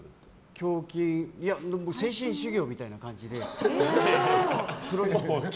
いや、精神修行みたいな感じで。